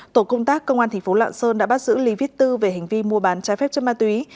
tổ công tác công an thành phố lạng sơn đã bắt giữ lý viết tư về hành vi mua bán trái phép chất ma túy